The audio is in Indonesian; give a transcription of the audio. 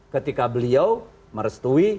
ketika beliau merestui